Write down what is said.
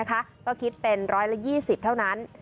ก็คิดเป็น๑๒๐เท่านั้น